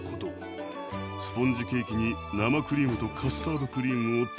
スポンジケーキに生クリームとカスタードクリームをたっぷりと塗り